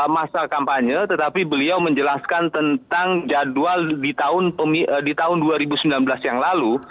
masa kampanye tetapi beliau menjelaskan tentang jadwal di tahun dua ribu sembilan belas yang lalu